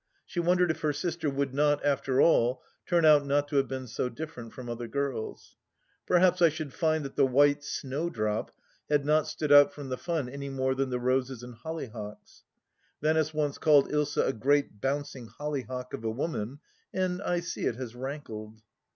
She wondered if her sister would not, after all, turn out not to have been so different from other girls. Perhaps I should find that the White Snowdrop had not stood out from the fun any more than the roses and hollyhocks ! Venice once called Ilsa a great bouncing hollyhock of a woman, and I see it has rankled.